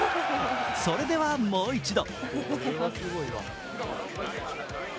それでは、もう一度。